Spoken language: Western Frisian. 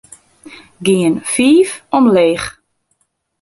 Gean fiif omleech.